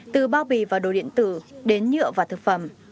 từ bao bì và đồ điện tử đến nhựa và thực phẩm